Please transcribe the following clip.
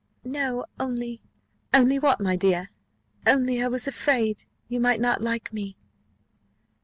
"No, only " "Only what, my dear?" "Only I was afraid you might not like me."